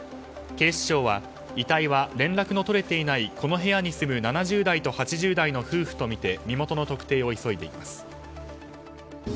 警視庁は遺体は連絡の取れていないこの部屋に住む７０代と８０代の夫婦とみて身元の特定を急いでいます。